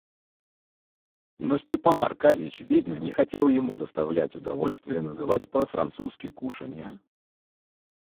Но Степан Аркадьич, видно, не хотел ему доставлять удовольствие называть по-французски кушанья.